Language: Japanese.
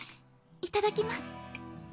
いただきます。